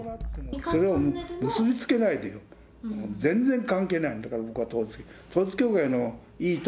それを結び付けないでよ、全然関係ない、だから僕は統一教会と。